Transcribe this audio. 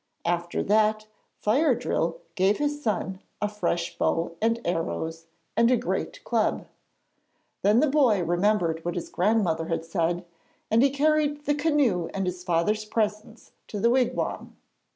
After that, Fire drill gave his son a fresh bow and arrows and a great club. Then the boy remembered what his grandmother had said, and he carried the canoe and his father's presents to the wigwam.